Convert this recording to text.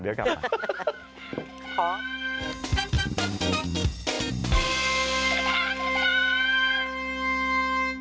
เดี๋ยวกลับมา